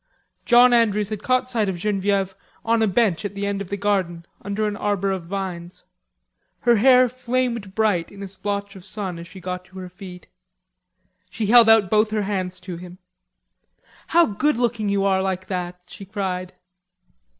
John Andrews had caught sight of Genevieve on a bench at the end of the garden under an arbor of vines. Her hair flamed bright in a splotch of sun as she got to her feet. She held out both hands to him. "How good looking you are like that," she cried.